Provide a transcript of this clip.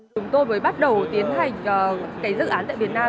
chúng tôi mới bắt đầu tiến hành dự án tại việt nam